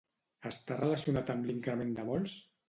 Està relacionat amb l'increment de vols?